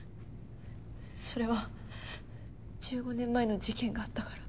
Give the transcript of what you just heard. それは１５年前の事件があったから。